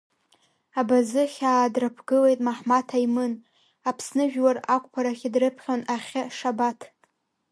Абазыхьаа драԥгылеит Маҳмаҭ Аимын, Аԥсны жәлар ақәԥарахьы дрыԥхьон Ахьы Шабаҭ.